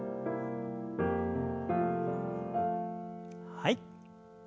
はい。